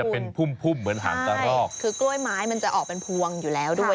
เป็นพุ่มพุ่มเหมือนหางกระรอกคือกล้วยไม้มันจะออกเป็นพวงอยู่แล้วด้วย